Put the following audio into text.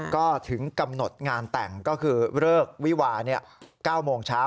ก็ถึงกำหนดงานแต่งก็คือเลิกวิวา๙โมงเช้า